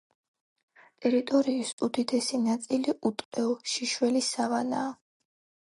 ტერიტორიის უდიდესი ნაწილი უტყეო, შიშველი სავანაა.